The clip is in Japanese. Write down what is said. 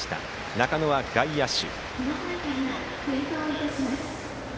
中野は外野手。